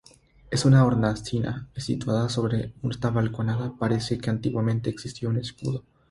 En una hornacina situada sobre esta balconada parece que antiguamente existió un escudo.